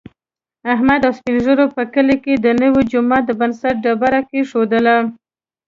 احمد او سپین ږېرو په کلي کې د نوي جوما د بنسټ ډبره کېښودله.